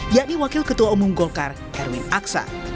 yakni wakil ketua umum golkar erwin aksa